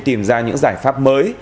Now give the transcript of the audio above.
tìm ra những giải pháp mới